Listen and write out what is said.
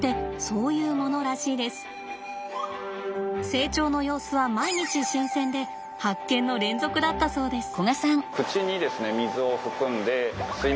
成長の様子は毎日新鮮で発見の連続だったそうです。